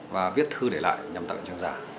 và viết thư để lại nhằm tặng trang giả